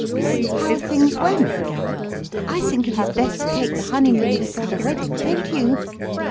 "How things went. I think it is best to take the honeymoon before the wedding—don't you?"